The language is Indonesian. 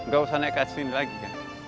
gak usah naik kesini lagi kan